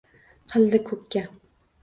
Qildi ko’kka